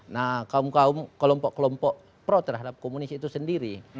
nah kaum kaum kelompok kelompok pro terhadap komunis itu sendiri